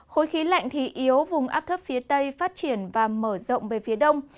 khối khí lạnh thì yếu vùng áp thấp phía tây phát triển và mở rộng về phía đông